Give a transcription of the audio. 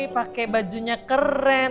pake bajunya keren